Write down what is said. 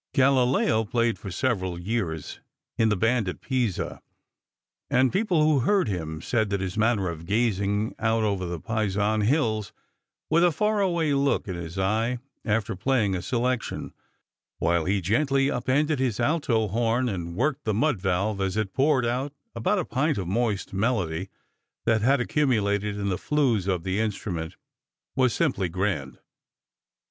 Galileo played for several years in the band at Pisa, and people who heard him said that his manner of gazing out over the Pisan hills with a far away look in his eye after playing a selection, while he gently upended his alto horn and worked the mud valve as it poured out about a pint of moist melody that had accumulated in the flues of the instrument, was simply grand.